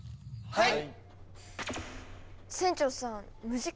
はい！